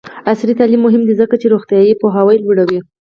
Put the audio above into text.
عصري تعلیم مهم دی ځکه چې روغتیایي پوهاوی لوړوي.